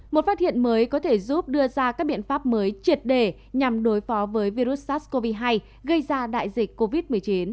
một phát hiện mới có thể giúp đưa ra các biện pháp mới triệt để nhằm đối phó với virus sars cov hai gây ra đại dịch covid một mươi chín